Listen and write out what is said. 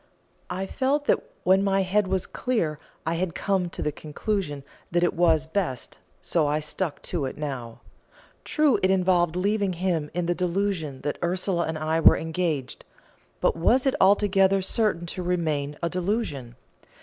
I felt that when my head was clear I had come to the conclusion that it was best, so I stuck to it now. True, it involved leaving him in the delusion that Ursula and I were engaged but was it altogether certain to remain a delusion?